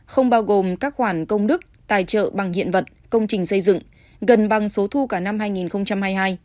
không bao gồm các khoản công đức tài trợ bằng hiện vật công trình xây dựng gần bằng số thu cả năm hai nghìn hai mươi hai